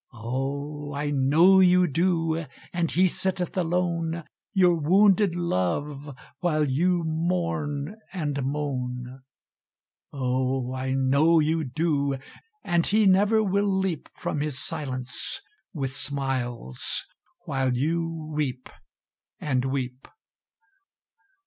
Oh! I know you do, and he sitteth alone, Your wounded Love, while you mourn and moan Oh! I know you do, and he never will leap From his silence with smiles, while you weep and weep!